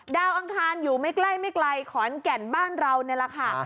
อังคารอยู่ไม่ใกล้ไม่ไกลขอนแก่นบ้านเรานี่แหละค่ะ